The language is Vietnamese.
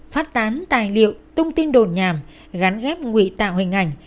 phát tán tài liệu tung tin đồn nhảm gắn ghép nguy tạo hình ảnh